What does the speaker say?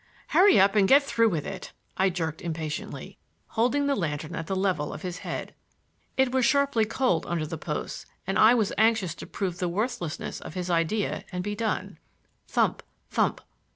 "Hurry up and get through with it," I jerked impatiently, holding the lantern at the level of his head. It was sharply cold under the posts and I was anxious to prove the worthlessness of his idea and be done. Thump! thump!